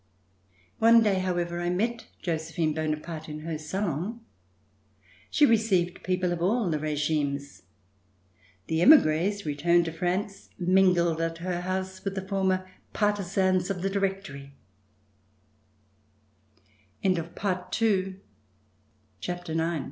One day, however, I met Josephine Bonaparte in her salon. She received people of all the regimes. The emigres, returned to France, mingled at her house with the former partisans of the Dire